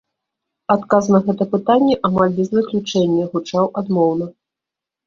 Адказ на гэта пытанне, амаль без выключэння, гучаў адмоўна.